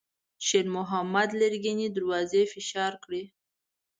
شېرمحمد لرګينې دروازې فشار کړې.